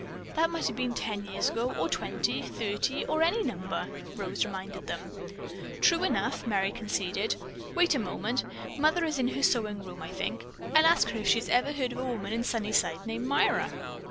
"That might have been ten years ago or twenty, thirty, or any number," Rose reminded them. "True enough," Merry conceded. "Wait a moment. Mother is in her sewing room, I think. I'll ask her if she ever heard of a woman in Sunnyside named Myra."